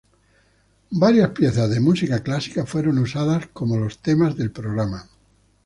Varias piezas de música clásica fueron usadas como los temas del programa.